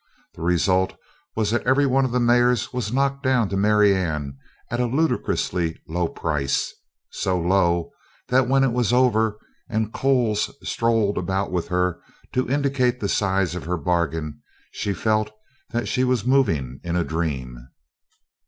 The result was that every one of the mares was knocked down to Marianne at a ludicrously low price; so low that when it was over and Coles strolled about with her to indicate the size of her bargain she felt that she was moving in a dream.